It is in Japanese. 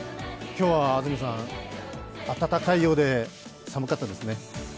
今日は安住さん、暖かいようで寒かったですね。